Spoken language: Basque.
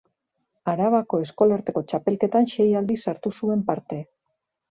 Arabako Eskolarteko Txapelketan sei aldiz hartu zuen parte.